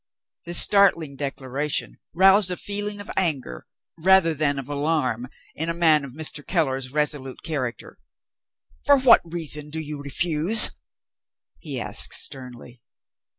This startling declaration roused a feeling of anger, rather than of alarm, in a man of Mr. Keller's resolute character. "For what reason do you refuse?" he asked sternly.